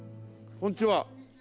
こんにちは。